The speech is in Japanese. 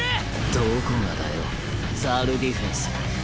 どこがだよザルディフェンス。